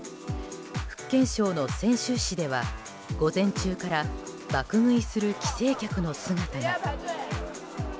福建省の泉州市では午前中から爆食いする帰省客の姿が。